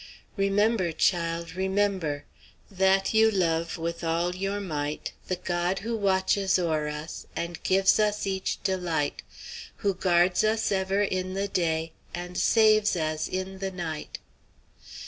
"Remember, child, remember That you love, with all your might, The God who watches o'er us And gives us each delight, Who guards us ever in the day, And saves as in the night."